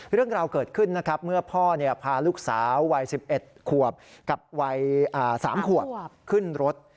เรื่องราวเกิดขึ้นนะครับเมื่อพ่อพาลูกสาววัย๑๑ขวบกับวัย๓ขวบขึ้นรถ